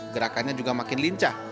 gerakannya juga makin lincah